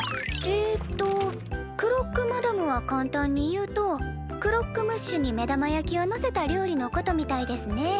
えっとクロックマダムは簡単に言うとクロックムッシュに目玉焼きをのせた料理のことみたいですね。